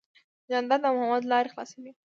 جانداد د محبت لارې خلاصوي.